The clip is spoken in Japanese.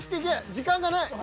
時間がない。